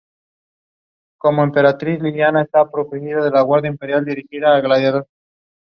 The following Mustangs were selected.